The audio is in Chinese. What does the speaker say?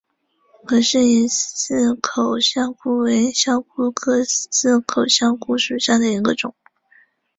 葛氏似口虾蛄为虾蛄科似口虾蛄属下的一个种。